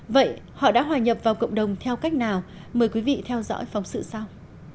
vậy họ đã hòa nhập vào cộng đồng theo cách nào mời quý vị theo dõi phóng sự sau